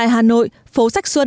hà nội phố sách xuân